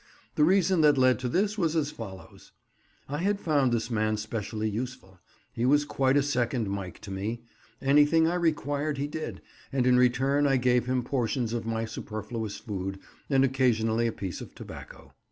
The reason that led to this was as follows:—I had found this man specially useful—he was quite a second Mike to me; anything I required he did, and in return I gave him portions of my superfluous food, and occasionally a piece of tobacco.